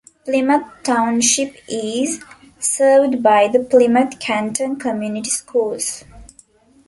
Plymouth Township is served by the Plymouth-Canton Community Schools.